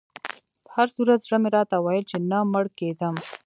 په هر صورت زړه مې راته ویل چې نه مړ کېدم.